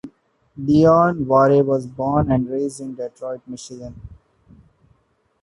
Leon Ware was born and raised in Detroit, Michigan.